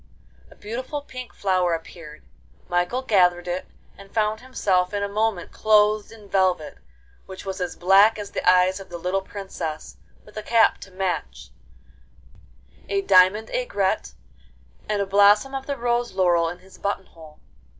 A beautiful pink flower appeared. Michael gathered it, and found himself in a moment clothed in velvet, which was as black as the eyes of the little Princess, with a cap to match, a diamond aigrette, and a blossom of the rose laurel in his button hole.